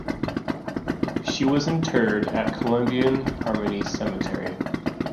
She was interred at Columbian Harmony Cemetery.